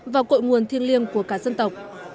và cội nguồn thiên liêm của cả dân tộc